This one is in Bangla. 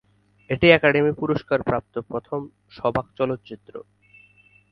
এটি একাডেমি পুরস্কার প্রাপ্ত প্রথম সবাক চলচ্চিত্র।